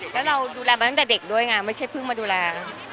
แล้วเราดูแลมาตั้งแต่เด็กด้วยไงไม่ใช่เพิ่งมาดูแล